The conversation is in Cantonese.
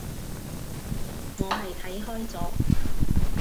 我係睇開咗